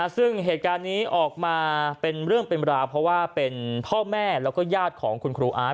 ซึ่งเหตุการณ์นี้ออกมาเป็นเรื่องเป็นราวเพราะว่าเป็นพ่อแม่แล้วก็ญาติของคุณครูอาร์ต